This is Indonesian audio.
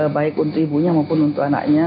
baik untuk ibunya maupun untuk anaknya